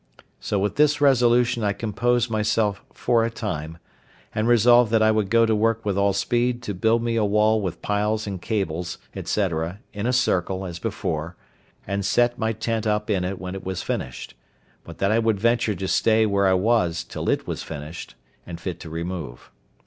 So with this resolution I composed myself for a time, and resolved that I would go to work with all speed to build me a wall with piles and cables, &c., in a circle, as before, and set my tent up in it when it was finished; but that I would venture to stay where I was till it was finished, and fit to remove.